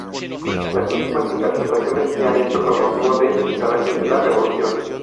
Las últimas interpretaciones se han hecho con motivo del bicentenario de la revolución.